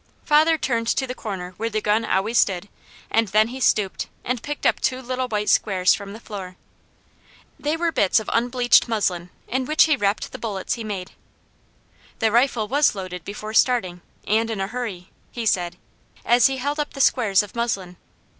Father turned to the corner where the gun always stood and then he stooped and picked up two little white squares from the floor. They were bits of unbleached muslin in which he wrapped the bullets he made. "The rifle was loaded before starting, and in a hurry," he said, as he held up the squares of muslin.